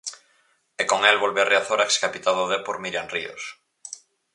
E con el volve a Riazor a excapitá do Dépor Míriam Ríos.